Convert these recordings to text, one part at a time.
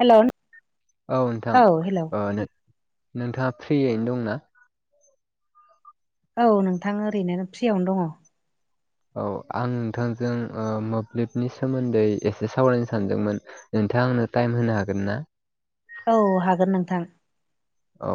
Hello औ नोंथां नोंथाङा फ्रियैनो दंना औ नोंथां ओरैनो फ्रियावनो दङ औ आं नोंथांजों मोब्लिबनि सोमोन्दै एसे सावरायनो सानदोंमोन नोंथां आंनो टाइम होनो हागोन ना औ हागोन नोंथां औ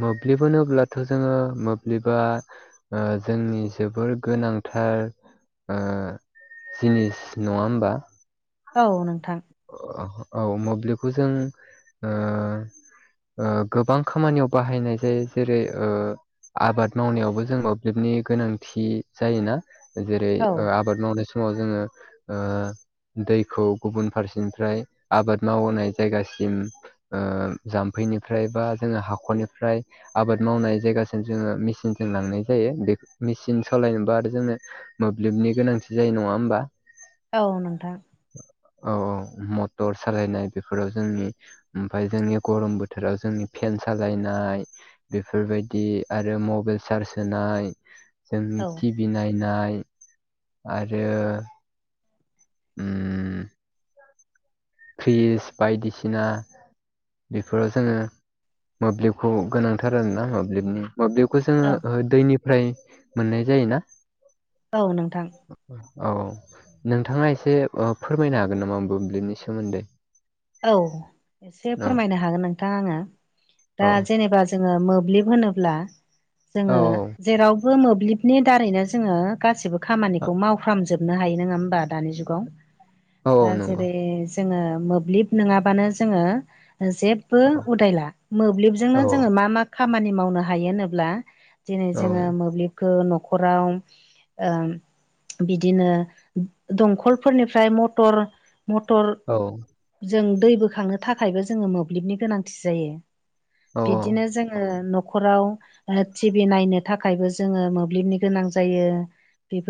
मोब्लिब होनोब्लाथ' जोंङो मोब्लिबा जोंनि जोबोर गोनांथार जिनिस नङा होमबा औ नोंथां औ मोब्लिबखौ जों गोबां खामानियाव बाहायनाय जायो जेरै आबाद मावनायावबो जों मोब्लिबनि गोनांथि जायोना जेरै औ आबाद मावनाय समाव जोंङो दैखौ गुबुन फारसेनिफ्राय आबाद मावनाय जायगासिम जाम्फैनिफ्राय बा जोंङो हाखरनिफ्राय आबाद मावनाय जायगासिम जोङो मेचिनजों लांनाय जायो बे मेचिन सालायनोबा आरो जोंनो मोब्लिबनि गोनांथि जायो नङा होमबा औ नोंथां औ औ मटर सालायनाय बेफोराव जोंनि ओमफ्राय जोंनि गरम बोथोराव जोंनि फेन साजायनाय बेफोरबायदि आरो मबाइल चार्ज होनाय जोंनि औ टिभि नायनाय आरो [unintelligible] फ्रिज बायदिसिना बेफोराव जोङो मोब्लिबखौ गोनांथार आरोना मोब्लिबनि मोब्लिबखौ औ जोङो दैनिफ्राय मोननाय जायोना औ नोंथां औ नोंथाङा एसे फोरमायनो हागोन नामा मोब्लिनि सोमोन्दै औ एसे औ फोरमायनो हागोन नोंथां आङो औ दा जेनेबा जोङो मोब्लिब होनोब्ला औ जोङो जेरावबो मोब्लिबनि दारैनो जोंङो गासिबो औ खामानिखौ मावफ्रामजोब हमनो हायो नंङा होमबा दानि जुगाव औ दा नंगौ जेरै जोंङो मोब्लिब नङाबानो जोंङो जेबो औ उदायला मोब्लिबजोंनो औ जोंङो मा मा खामानि मावनो हायो होनोब्ला दिनै औ जोङो मोब्लिब गो न'खराव ओ बिदिनो दंखलफोरनिफ्राय मटर मटर औ जों दै बोखांनो थाखायबो जोङो मोब्लिबनि गोनांथि जायो बिदिनो जोङो न'खराव टिभि नायनो थाखायबो जोङो मोब्लिबनि गोनां जायो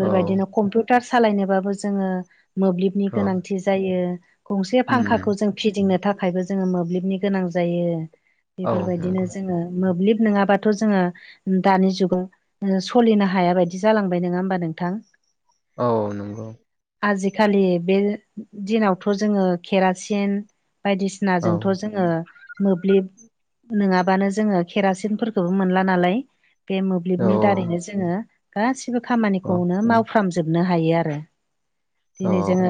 औ कम्पिउ टार सालायनोबाबो जोङो मोब्लिबनि औ गोनांथि जायो गंसे उम फांखाखौ जों फिदिंनो थाखायबो जोङो मोब्लिबनि गोनां जायो औ बेफोरबायदिनो नंगौ जोङो मोब्लिब नोङाबाथ' जोङो दानि जुगाव ओ सलिनो हाया बायदि जालांबाय नङा होमबा नोंथां औ नंगौ आजिखालि बे दिनावथ' जोङो केरासिन बायदिसिना सिना औ जोंथ' जोङो मोब्लिब नोङाबानो जोङो केरासिनफोरखौबो मोनला नालाय बे औ मोब्लिबनि दारैनो जोङो गासिबो खामानिखौनो माव फ्रामजोबनो हायो आरो औ बिदिनो जोङो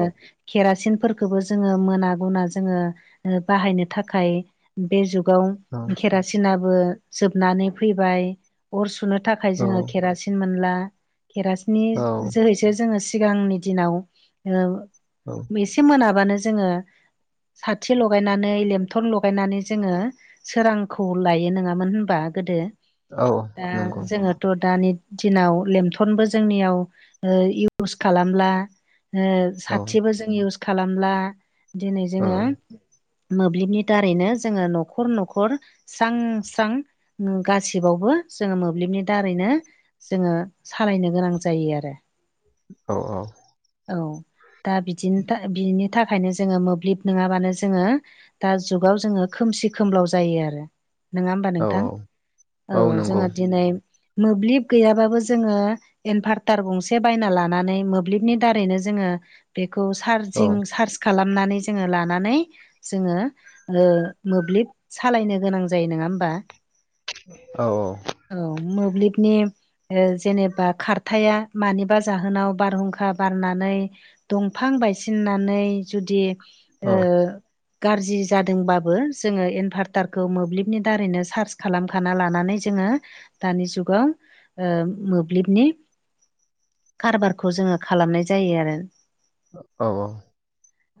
केेरासिनफोरखौबो ज जोङो मोना गुना जोङो बाहायनो थाखाय बे जुगाव खेरासिन सिनाबो जोबनानै फैबाय अर सुनो थाखाय जोङो केरासिन मोनला केरासनि औ जोहैसो जोङो सिगांनि दिनाव ओ औ एसे मोनाबानो जोङो साथि लगायनानै लेमथर लगायनानै जोङो सोरांखौ लायो नङामोन होनबा गोदो औ दा नंगौ जोङो थ' दानि दिनाव लेमथनबो जोंनियाव इउस खालामला औ साथिबो जों इउस खालामला दिनै औ जोङो मोब्लिबनि दारैनो जोङो न'खर न'खर स्रां स्रां गासिबावबो जोङो मोब्लिबनि दारैनो जोङो सालायनो गोनां जायो आरो औ औ औ दा बिदिनो बिनो ओंखायनो जोङो मोब्लिब नङाबानो जोङो दा जुगाव जोङो खोमसि खोमलाव जायो आरो नङा होमबा औ नोंथां औ जोंहा दिनै मोब्लिब गैयाबाबो जोङो इनभार्टार गंसे बायना लानानै मोब्लिबनि दारैनो जोङो बेखौ औ सार्जिं चार्ज खालामनानै जोङो लानानै जोङो ओ मोब्लिब सालायनो गोनां जायो नङा होमबा औ औ औ मोब्लिबनि जेनेबा खारथाया मानिबा जाहोनाव बारहुंखा बारनानै दंफां बायसिननानै जुदि गाज्रि जादोंबाबो जोङो इनभार्टारखौ मोब्लिबनि दारैनो सार्च खालाम खाना लानानै जोङो दानि जुगाव मोब्लिबनि कारबारखौ जोङो खालामनाय जायो आरो औ औ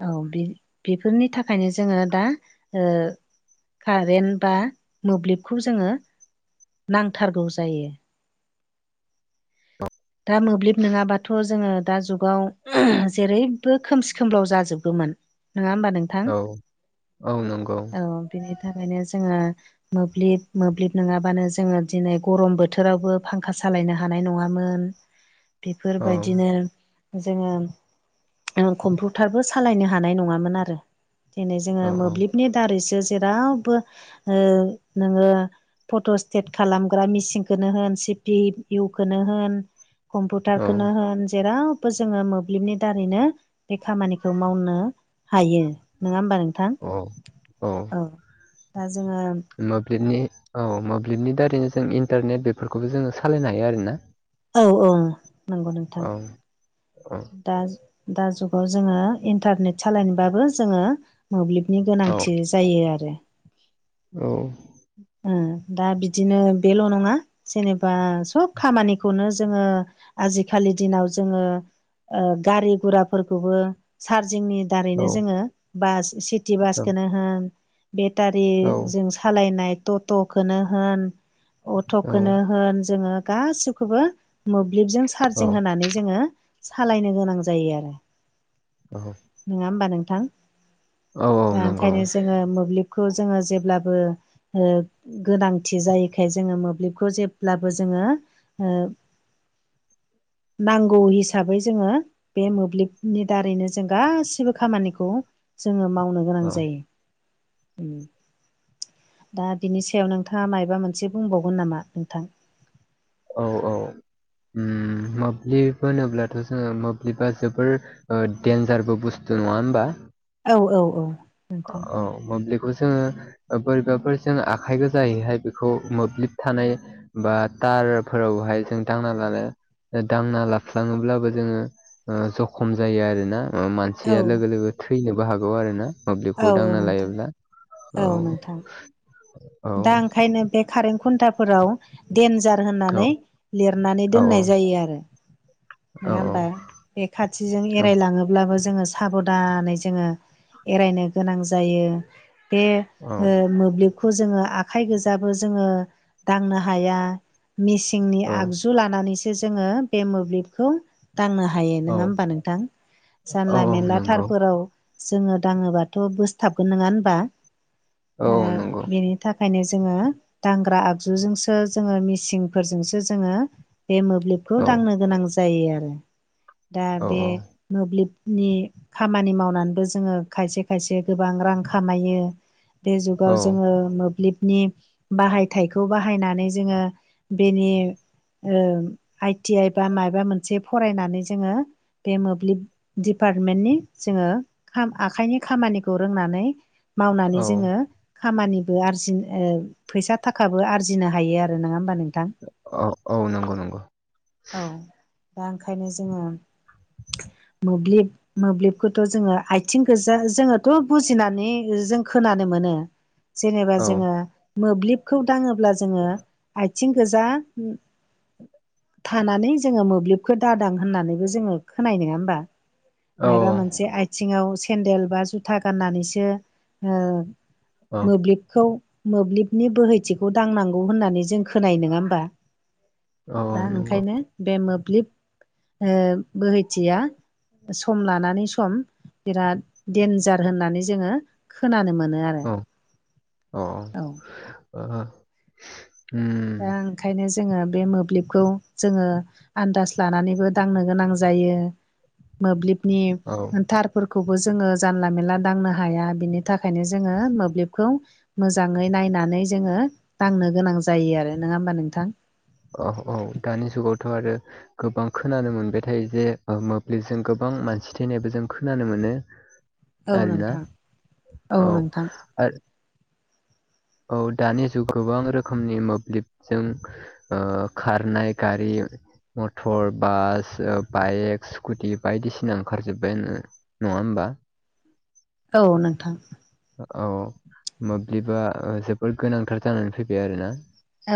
औ बेफोरनि थाखायनो जोङो दा ओ कारेन्ट बा मोब्लिबखौ जोङो नांथारगौ जायो दा मोब्लिब नङाबाथ' जोङो दा जुगाव जेरैबो खोमसि खोमलाव जाजोबगौमोन नङा होमबा नोंथां औ बेनि बिनि थाखायनो जोङो मोब्लिब मोब्लिब नोङाबानो जोङो दिनै गरम बोथोरावबो फांखा सालायनो हानाय नङामोन बेफोरबायदिनो जोङो कम्पिउटारबो सालायनो हानाय नङामोन आरो दिनै जोङो मोब्लिब औ नि दारैसो जेरावबो ओ नोङो फट' सटेट खालामग्रा मिेचनखौनो होन सिपि इउखौनो होन कम्पिउटारखौनो होन जेरावबो जोङो मोब्लिबनि दारैनो बे खामानिखौ मावनो हायो नङा होमबा नोंथां औ औ दा जोङो मोब्लिबनि औ मोब्लिबनि दारैनो जों इन्टारनेट बेफोरखौबो जोङो सालायनो हायो आरोना औ औ नंगौ नोंथां औ औ दा दा जुगाव जोङो इन्टारनेट सालायनोबाबो जोङो मोब्लिबनि गोनांथि जायो आरो औ ओ दा बिदिनो बेल' नङा जेनेबा सब खामानिखौनो जोङो आजिखालि दिनाव जोङो ओ गारि गुराफोरखौबो चारजिंनि दारैनो औ जोङो बास सिटि औ बासखौनो होन बेटारि औ जों नाय टट खोनो होन अटखोनो होन जोङो गासिब खौबो मोब्लिबजों औ सार्जिं होनानै जोङो सालायनो गोनां जायो आरो अ नङा होमबा नोंथां औ दा नंगौ ओंखायनो जोङो मोब्लिबखौ जोङो जेब्लाबो ओ गोनांथि जायोखाय जोङो मोब्लिबखौ जेब्लाबो जोङो ओ नांगौ हिसाबै जोङो बे मोब्लिबनि दारैनो जों गासिबो खामानिखौ जोङो मावनो गोनां औ जायो उम दा बिनि सायाव नोंथाङा मायबा मोनसे बुंबावगोन नामा नोंथां औ औ मोब्लिब उम होनोब्लाथ' जोङो मोब्लिबा जोबोर ओ दन्जारबो बुस्थु नङा होमबा औ औ औ नोंथां औ मोब्लिखौ जोङो बोरैबाफोर जों आखाइ गोजायैहाय बेखौ मोब्लिब थानाय बा तारफोरावहाय जों दांना लानो दांना लाफ्लाङोब्लाबो जोङो ओ जखम जायो आरो ना ओ औ मानसिया लोगो लोगो थैनोबो हागौ आरो ना औ मोब्लिबखौ औ दांना नोंथां लायोब्ला औ नोंथां औ दा ओंखायनो बे कारेन्ट खुन्थाफोराव देनजार औ होननानै लिरनानै औ दोननाय जायो आरो औ नङा होमबा औ बे खाथिजों एरायलाङो ब्लाबो जोङो साबधानै जोङो एरायनो गोनां जायो बे औ ओ मोब्लिब खौ जोङो आखाइ गोजाबो जोङो दांनो हाया मेसिंनि औ आगजु जु लानानैसो जोङो बे मोब्लिबखौ दांनो हायो नोङा औ होमबा नोंथां औ जानला औ मेनला नंगौ थारफोराव जोङो दाङोबाथ' बोसथाबगोन नङा होनबा ओ औ नंगौ बेनि थाखायनो जोङो दांग्रा आगजुजोंसो जोङो मिसिंफोरजोंसो जोङो बे मोब्लिबखौ औ दांनो गोनां जायो आरो दा औ बे मोब्लिबनि खामानि मावनानैबो जोङो खायसे खायसे गोबां रां खामायो बे जु जोङो औ मोब्लिबनि बाहायथायखौ बाहायनानै जोङो बेनि आइटि आइ बा माबा मोनसे फरायनानै जोङो बे मोब्लिब दिपार्टमेन्टनि जोङो आखाइनि खामानिखौ रोंनानै औ मावनानै जोङो खामानिबो आरजिनो फैसा थाखाबो आरजिनो हायो आरो नङा होमबा नोंथां? औ औ नंगौ नंगौ। औ दा ओंखायनो जोङो मोब्लिब मोब्लिबखौथ' जोङो आथिं गोजा जोङोथ' बुजिनानै जों खोनानो मोनो। जेनेबा औ जोङो मोब्लिबखौ दाङोब्ला जोङो आथिं गोजा। थानानै जोङो मोब्लिबखो दादां होननानैबो जोङो खोनानाय नङा होमबा? औ माबा मोनसे आथिङाव सेन्देल बा जुथा गाननानैसो औ मोब्लिबखौ मोब्लिबनि बोहैथिखौ दांनांगौ होननानै जों खोनानाय नङा होमबा? औ दा नंगौ ओंखायनो बे मोब्लिब बोहैथिया सम लानानै सम बिराद देन्जार होननानै जोङो खोनानो मोनो आरो। अ औ ओ। दा ओंखायनो जोङो बे मोब्लिबखौ जोङो आन्दाज लानानैबो दांनो गोनां जायो मोब्लिबनि औ थार फोरखौबो जोङो जानला मेला दांनो हाया बिनि थाखायनो जोङो मोब्लिबखौ मोजाङै नायनानै जोङो दांनो गोनां जायो आरो नङा होमबा नोंथां? औ औ दानि जुगावथ' आरो गोबां खोनानो मोनबाय थायो जे मोब्लिबजों गोबां मानसि थैनायबो जों खोनानो मोनो। औ आरोना नोंथां औ नोंथां। आ औ दानि जुगाव गोबां रोखोमनि मोब्लिबजों ओ खारनाय गारि मटर बास बाइक स्कुटि बायदिसिना ओंखारजोबाय आङो। नङा होमबा? औ नोंथां। औ मोब्लिबा जोबोद गोनांथार जानानै फैबाय आरोना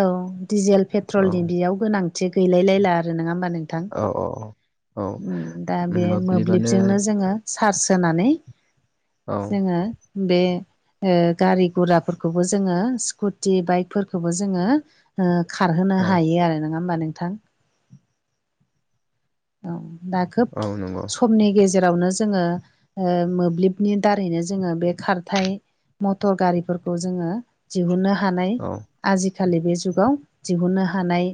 औ दिजेल औ पेट्रलनि बेयाव गोनांथि गैलायलायला आरो नङा होमबा नोंथां? औ औ। औ दा बे मोब्लिबानो मोब्लिबजोंनो जोङो चार्ज होनानै औ जोङो बे गारि गुराफोरखौबो जोङो स्कुटि बाइकफोरखौबो जोङो। खारहोनो औ हायो आरो नङा होमबा नोंथां? औ दा खोब औ नंगौ समनि गेजेर रावनो जोङो मोब्लिबनि दारैनो जोङो बे खारथाय मटर गारिफोरखौ जोङो दिहुननो हानाय। औ आजिखालि बे जुगाव दिहुननो हानाय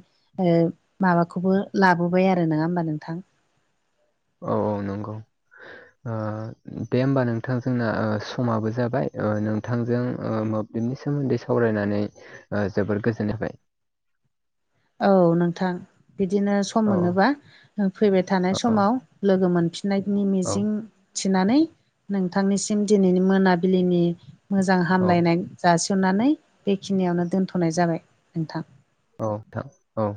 माबाखौबो लाबोबाय आरो नङा होमबा नोंथां? औ औ नंगौ। दे होमबा नोंथांजोंना समाबो जाबाय नोंथांजों म बिनि सोमोन्दै सावरायनानै जोबोर गोजोन होबाय। औ नोंथां बिदिनो सम औ औ मोनोबा फैबाय थानाय औ समाव लोगो मोनफिन थिनायनि औ मिजिं थिनानै नोंथांनिसिम दिनैनि मोनाबिलिनि मोजां औ हामलायनाय जासिननानै बेखिनियावनो दोनथ'नाय जाबाय नोंथां। औ नोंथां औ।